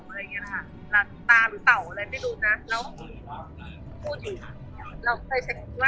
เขาบอกตาหรือเตาอะไรอย่างนี้แหละค่ะ